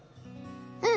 うん！